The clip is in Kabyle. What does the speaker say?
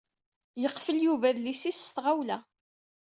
Yeqfel Yuba adlis-is s tɣawla.